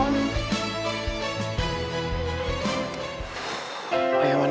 selamat ya pak